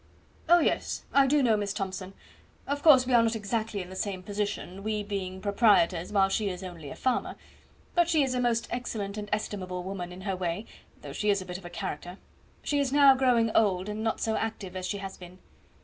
"Oh, yes. I do know Miss Thomson. Of course we are not exactly in the same position, we being proprietors, while she is only a farmer; but she is a most excellent and estimable woman in her way, though she is a bit of a character. She is now growing old, and not so active as she has been."